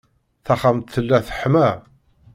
Taxxamt tella teḥma.